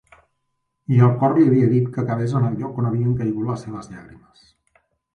I el cor li havia dit que cavés en el lloc on havien caigut les seves llàgrimes.